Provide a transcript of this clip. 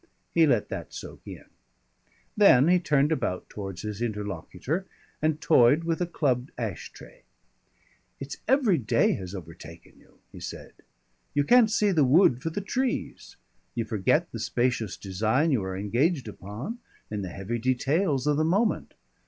He let that soak in. Then he turned about towards his interlocutor, and toyed with a club ash tray. "It's every day has overtaken you," he said. "You can't see the wood for the trees. You forget the spacious design you are engaged upon, in the heavy details of the moment.